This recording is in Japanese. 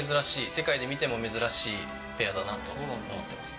世界で見ても珍しいペアだなと思ってます。